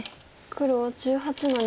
黒１８の二。